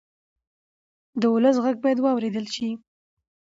د ولس غږ باید واورېدل شي